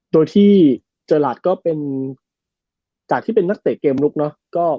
โดยที่เจอราชก็เป็นจากที่เป็นนักเตะเกมลุกเนอะ